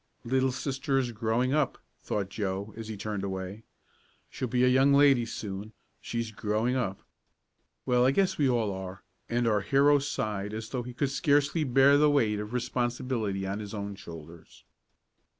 "Little sister is growing up," thought Joe, as he turned away. "She'll be a young lady soon she's growing up. Well, I guess we all are," and our hero sighed as though he could scarcely bear the weight of responsibility on his own shoulders.